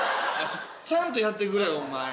ちゃんとやってくれよお前。